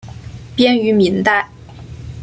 编于明代。